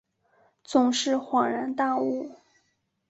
总是恍然大悟